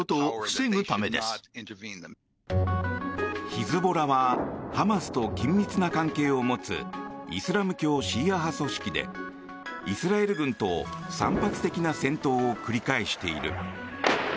ヒズボラはハマスと緊密な関係を持つイスラム教シーア派組織でイスラエル軍と散発的な戦闘を繰り返している。